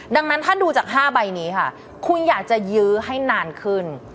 ดังนั้นถ้าดูจาก๕ใบนี้ค่ะคุณอยากจะยื้อให้นานขึ้น